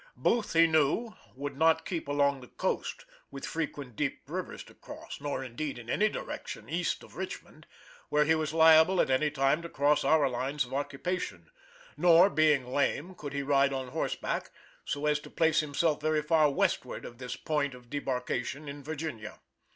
Booth, he knew, would not keep along the coast, with frequent deep rivers to cross, nor, indeed, in any direction east of Richmond, where he was liable at any time to cross our lines of occupation; nor, being lame, could he ride on; horseback, so as to place himself very far westward of his point of debarkation in Virginia.